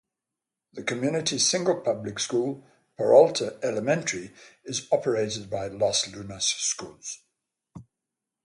The community's single public school, Peralta Elementary, is operated by Los Lunas Schools.